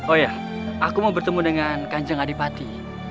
oh ya aku mau bertemu dengan kanjeng adipati